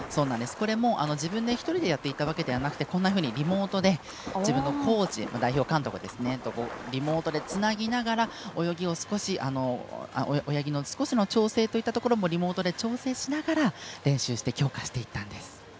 これも自分で１人でやっていたわけじゃなくてリモートで自分のコーチ代表監督とリモートでつなぎながら泳ぎの少しの調整といったところもリモートで調整しながら練習して強化していったんです。